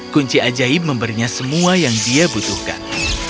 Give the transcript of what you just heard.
kunci ajaib memberinya semua yang dia butuhkan